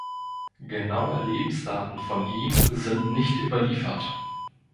Genaue Lebensdaten von ihm sind nicht überliefert.